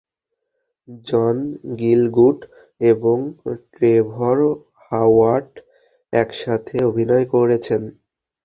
জন Gielgud এবং Trevor Howard একসাথে অভিনয় করেছেন।